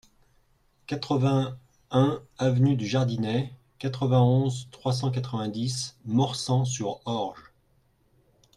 quatre-vingt-un avenue du Jardinet, quatre-vingt-onze, trois cent quatre-vingt-dix, Morsang-sur-Orge